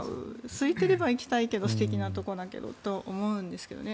すいていれば行きたいけど素敵なところだと思うんですけどね。